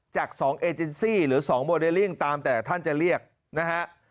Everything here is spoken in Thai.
จาก๒เอเจนซี่หรือ๒โมเดลลิ่งตามแต่ท่านจะเรียกนะฮะ